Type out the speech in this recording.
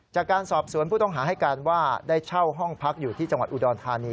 จากการสอบสวนผู้ต้องหาให้การว่าได้เช่าห้องพักอยู่ที่จังหวัดอุดรธานี